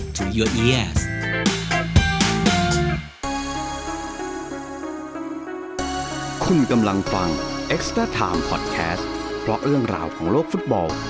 คุณกำลังฟังพอดแคสต์บล็อกเรื่องราวของโลกฟุตบอล